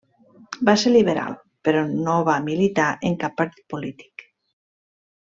Va ser liberal, però no va militar en cap partit polític.